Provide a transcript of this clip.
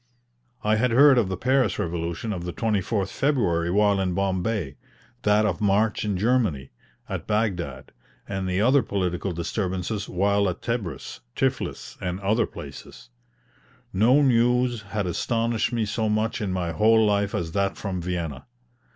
I had heard of the Paris revolution of the 24th February while in Bombay; that of March in Germany, at Baghdad; and the other political disturbances while at Tebris, Tiflis, and other places. No news had astonished me so much in my whole life as that from Vienna.